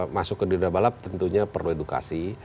masuk ke dunia balap tentunya perlu edukasi